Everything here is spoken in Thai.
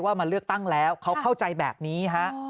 มาเลือกตั้งแล้วเขาเข้าใจแบบนี้ฮะ